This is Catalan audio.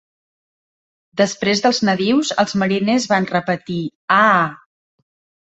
Després dels nadius, els mariners van repetir "Ah!"